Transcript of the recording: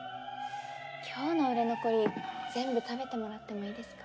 今日の売れ残り全部食べてもらってもいいですか？